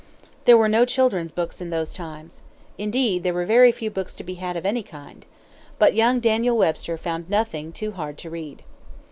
There were no children's books in those times. Indeed, there were very few books to be had of any kind. But young Daniel Webster found nothing too hard to read.